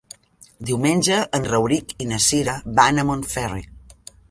Diumenge en Rauric i na Cira van a Montferri.